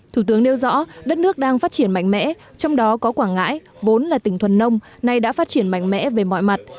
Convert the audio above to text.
thủ tướng nêu rõ đất nước đang phát triển mạnh mẽ trong đó có quảng ngãi vốn là tỉnh thuần nông nay đã phát triển mạnh mẽ về mọi mặt